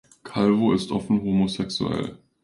Calvo ist offen homosexuell.